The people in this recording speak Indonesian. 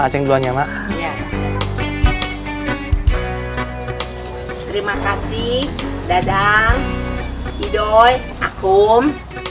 terima kasih dadang idoy akum